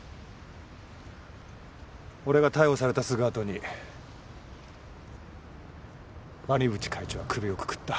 俺が逮捕されたすぐあとに鰐淵会長は首をくくった。